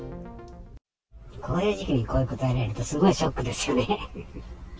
こういう時期にこういうことやられると、すごいショックですよね。